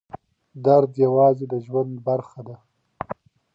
درد یوازې د ژوند برخه ده.